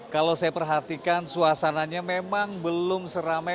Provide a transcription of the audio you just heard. kalau saya perhatikan suasananya memang belum seramai